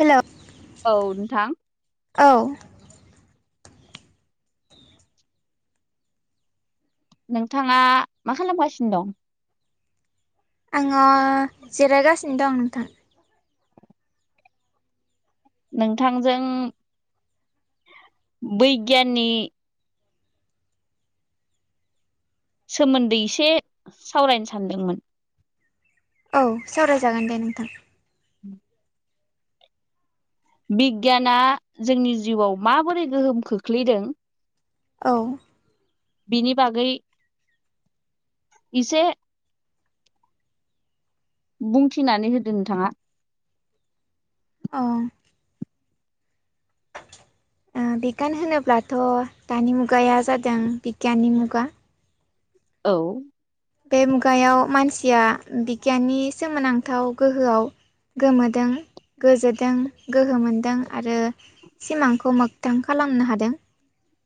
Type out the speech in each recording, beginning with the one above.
हेल' औ नोंथां नोंथाङा मा खालामगासिनो दं? आङो जिरायगासिनो दं नोंथां। नोंथांजों बैगियाननि सोमोन्दै एसे सावरायनो सानदोंमोन औ सावरायजागोन दे नोंथां। उम बिगियाना जोंनि जिउआव माबोरै गोहोम खोख्लैदों औ बिनि बागै इसे बुंथिनानै होदो नोंथाङा। औ बिगियान होनोब्लाथ' दानि मुगाया जादों बिगियाननि मुगा औ बे मुगायाव मानसिया बिगियाननि सोमोनांथाव गोहोआव गोमोदों गोजोदों गोहो मोनदों आरो सिमांखौ मोगथां खालाम खालामनो हादों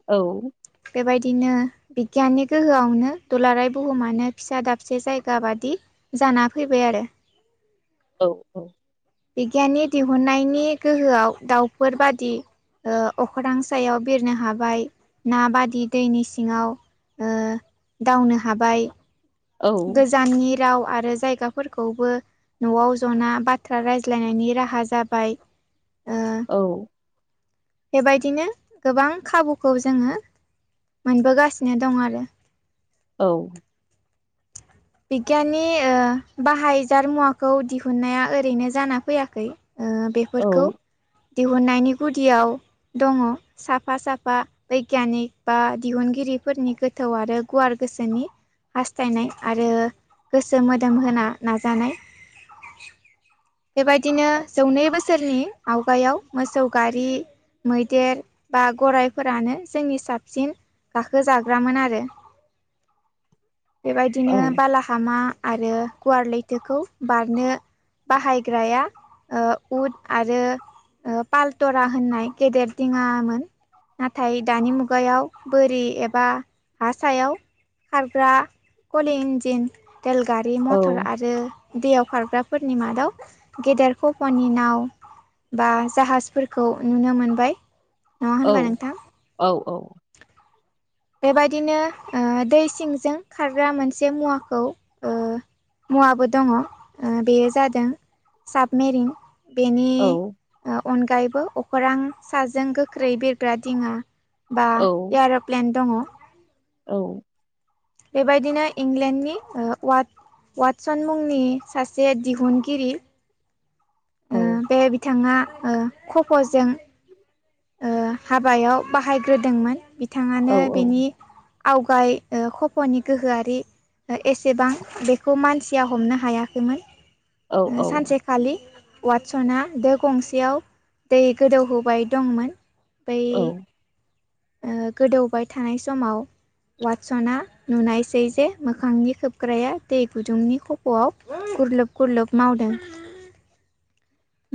औ बेबायदिनो बिगियाननि गोहोआवनो दुलाराय बुहुमानो फिसा दाबसे जायगा बादि जाना फैबाय आरो। औ औ बिगियाननि दिहुननायनि गोहोआव दाउफोर बादि ओ अख्रां सायाव बिरनो हाबाय ना बादि दैनि सिङाव ओ दावनो हाबाय औ गोजाननि राव आरो जायगाफोरखौबो न'आव जना बाथ्रा रायज्लायनायनि राहा जाबाय। ओ औ बेबायदिनो गोबां खाबुखौ जोङो मोनबोगासिनो दं आरो। औ बिगियाननि ओ बाहायजार मुवाखौ दिहुननाया ओरैनो जाना फैयाखै ओ औ बेफोरखौ दिहुननायनि गुदियाव दङ साफा साफा बैगियानिक बा दिहुनगिरिफोरनि गोथौ आरो गुवार गोसोनि हास्थायनाय आरो गोसो मोदोम होना नाजानाय [inaudible] बेबायदिनो जौनै बोसोरनि आवगायाव मोसौ गारि मैदेर बा गररायफोरानो जोंनि साबसिन गाखो जाग्रामोन आरो [inaudible] बिदिनो बालाहामा आरो गुवार लैथोखौ बारनो बाहायग्राया ओ उद आरो ओ पालथरा होननाय गेदेर दिङामोन नाथाय दानि मु गायाव बोरि एबा हा सायाव खारग्रा कलि इन्जिन रेलगारि औ मटर आरो दैयाव खारग्राफोरनि मादाव गेदेरखौपनि नाव बा जाहाजफोरखौ नुनो मोनबाय नङा औ होनबा नोंथां? औ औ बेबायदिनो ओ दै सिंजों खारग्रा मोनसे मुवाखौ ओ मुवाबो दङ ओ बेयो जादों साबमेरिन बेनि अनगायैबो अखरां साजों गोख्रै बिरग्रा दिङा बा औ एार'प्लेन दङ औ बेबायदिनो इंलेण्डनि वाड वाटसन मुंनि सासे दिहुनगिरि औ ओ बे बिथाङा कफ'जों ओ हाबायाव बाहायग्रोदोंमोन बिथाङानो बिनि आवगाय ओ खफ'नि गोहोआरि एसेबां बेखौ मानसिया हमनो औ हायाखैमोन सानसेखालि वाटसना दो गंसेयाव दै गोदौहोबाय दंमोन बै औ ओ गोदौबाय थानाय समाव वाटसना नुनायसै जे मोखांनि खोबग्राया दै गुदुंनि खफ'आव गुरलोब गुरलोब मावदों [inaudible]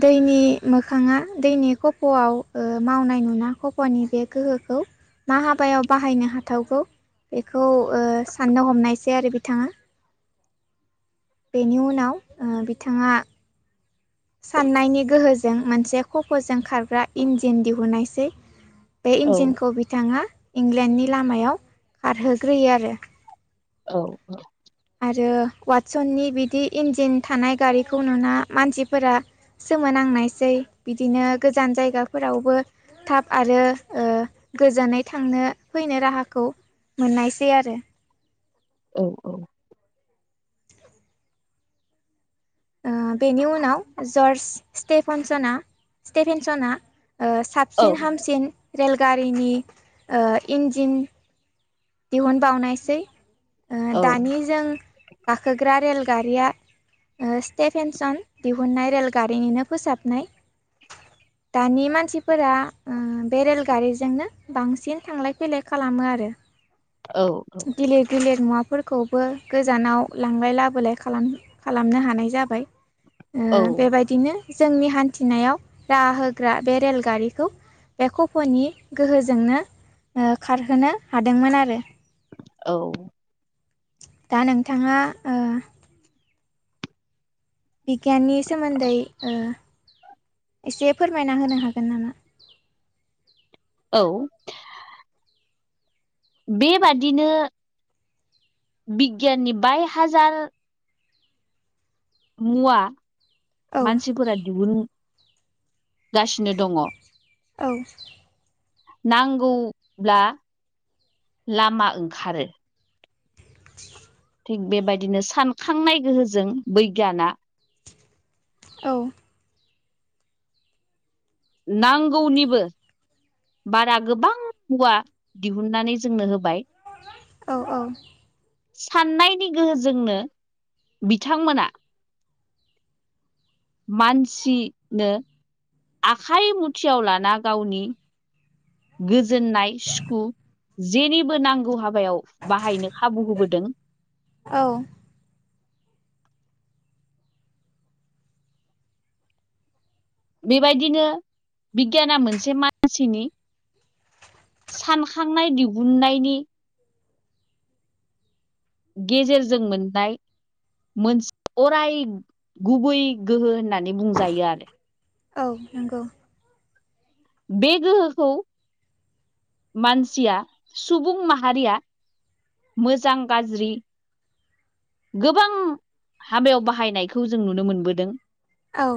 दैनि मोखाङा दैनि खफ'आव ओ मावनाय नुना खफ'नि बे गोहोखौ मा हाबायाव बाहायनो हाथावगौ बेखौ ओ साननो हमनायसै आरो बिथाङा बेनि उनाव ओ बिथाङा [inaudible] साननायनि गोहोजों मोनसे खफ'जों खारग्रा इन्जिन दिहुनायसै बे इन्जिनखौ बिथाङा इंलेण्डनि लामायाव खारहोग्रोयो आरो औ औ आरो वाटसननि बिदि इन्जिन थानाय गारिखौ नुना मानसिफोरा सोमोनांनायसै बिदिनो गोजान जायगाफोरावबो थाब आरो ओ गोजोनै थांनो फैनो राहाखौ मोननायसै आरो औ औ ओ बेनि उनाव जार्ज स्टेफनसना स्टेफेनसना ओ औ साबसिन हामसिन रेलगारिनि ओ इन्जिन दिहुनबावनायसै ओ औ दानिजों गाखोग्रा रेल गारिया ओ स्टेफेनसन दिहुननाय रेलगारिनिनो फोसाबनाय दानि मानसिफोरा ओ बे रेलगारिजोंनो बांसिन थांलाय फैलाय खालामो आरो दिलिर दिलिर मुवाफोरखौबो गोजानाव लांलाय लाबोलाय खालाम- खालामनो हानाय जाबाय ओ औ बेबायदिनो जोंनि हान्थिनायाव राहा होग्रा बे रेलगारिखौ बे खफ'नि गोहोजोंनो ओ खारहोनो हादोंमोन आरो औ दा नोंथाङा ओ बिगियाननि सोमोन्दै ओ एसे फोरमायना होनो हागोन नामा औ बेबादिनो बिगियाननि बाय हाजार मुवा औ मानसिफोरा दिहुन गासिनो दङ औ नांगौब्ला लामा ओंखारो [unintelligible] [inaudible] थिग बेबायदिनो सानखांनाय गोहोजों बैगियाना औ नांगौनिबो बारा गोबां मुवा दिहुननानै जोंनो होबाय औ औ साननायनि गोहोजोंनो बिथांमोना मानसिनो आखाइ मुथियाव लाना गावनि गोजोननाय सुखु जेनिबो नांगौ हाब बायाव बाहायनो खाबु होबोदों औ बेबायदिनो बिगियाना मोनसे मानसिनि सानखांनाय दिहुननायनि गेजेरजों मोननाय मोनसे अराय गुबै गोहो होननानै बुंजायो आरो औ नंगौ बे गोहोखौ मानसिया सुबुं माहारिया मोजां गाज्रि गोबां हाबायाव बाहायनायखौ जों नुनो मोनबोदों। औ।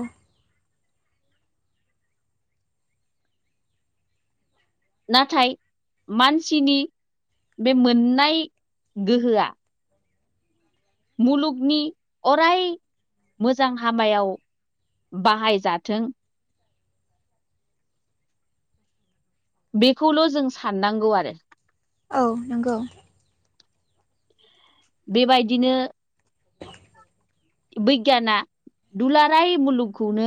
नाथाय मानसिनि बे मोननाय गोहोआ मुलुगनि अराय मोजां हामायाव बाहायजाथों, बेखौल' जों साननांगौ। आरो औ नंगौ। बेबायदिनो [unintelligible] [inaudible] बिगियाना दुलाराय मुलुगखौनो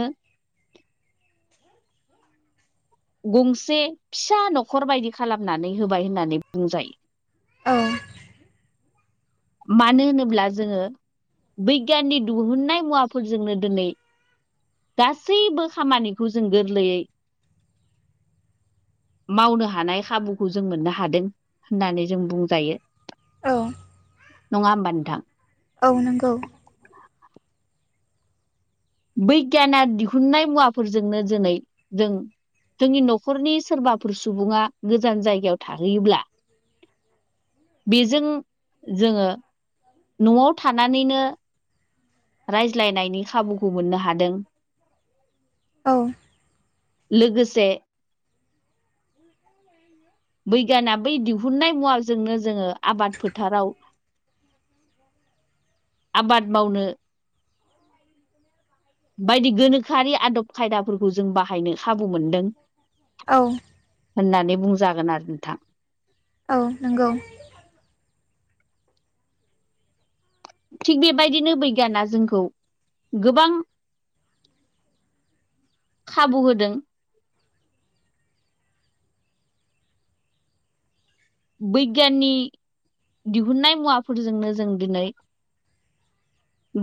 गंसे फिसा न'खर बायदि खालामनानै होबाय होननानै बुंजायो। औ मानो होनोब्ला जोङो? बिगियाननि दिहुननाय मुवाफोरजोंनो दिनै गासैबो खामानिखौ जों गोरलैयै मावनो हानाय खाबुखौ जों मोननो हादों होननानै जों बुंजायो। औ। नङा होमबा नोंथां? औ नंगौ। बिगियाना दिहुननाय मुवाफोरजोंनो दिनै जों जोंनि न'खरनि सोरबाफोर सुबुङा गोजान जायगायाव थाहैयोब्ला। बेजों जोङो न'आव थानानैनो, रायज्लायनायनि खाबुखौ मोननो हादों। औ लोगोसे बैगाना बै दिहुननाय मुवाजोंनो जोङो आबाद फोथाराव आबाद मावनो बायदि गोनोखोआरि आदब खायदाफोरखौ जों बाहायनो खाबु मोनदों। औ होननानै बुंजागोन आरो नोंथां। औ नंगौ। थिग बेबायदिनो बिगियाना जोंखौ गोबां खाबु होदों। बैगियाननि दिहुनन्नाय मुवाफोरजोंनो जों दिनै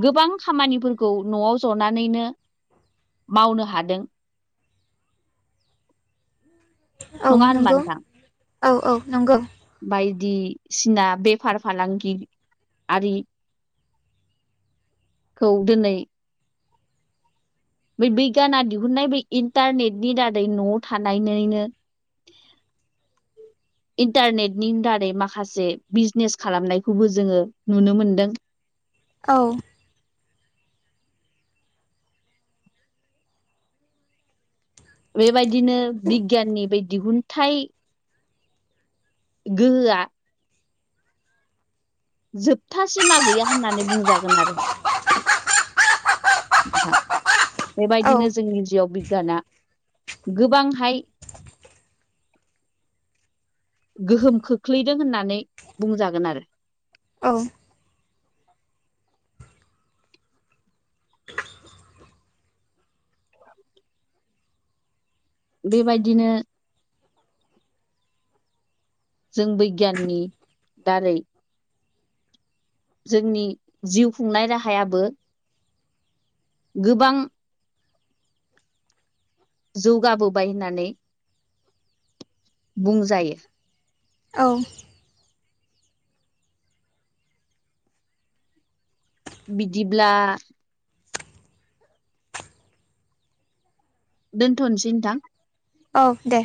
गोबां खामानिफोरखौ न'आव ज'नानैनो मावनो हादों। नङा होनबा नोंथां? औ-औ नंगौ। बायदिसिना बेफार फालांगियारि। औ दिनै बै बिगियाना दिहुननाय बे इन्टारनेटनि दारै न'आव थानायनो [unintelligible] इन्टारनेटनि दारै माखासे बिजनेस खालामनायखौबो जोङो नुनो मोनदों। औ बेबायदिनो बिगियाननि बे दिहुनथाइ गोहोआ जोबथासिमा गैया होननानै बुंजागोन। आरो नोथां बेबायदिनो औ जोंनि जिउआव बिगियाना गोबांहाय गोहोम खोख्लैदों होननानै बुंजागोन। आरो [unintelligible] बेबायदिनो जों बिगियाननि दारै जोंनि जिउ खुंनाय राहायाबो गोबां जौगाबोबाय होननानै बुंजायो औ बिदिब्ला दोनथनोसै नोंथां। औ दे।